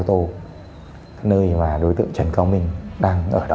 tổ hai thì đã